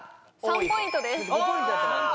３ポイントです